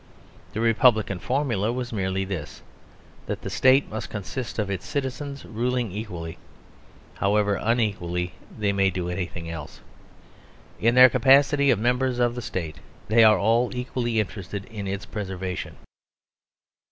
The republican formula was merely this that the State must consist of its citizens ruling equally, however unequally they may do anything else. In their capacity of members of the State they are all equally interested in its preservation.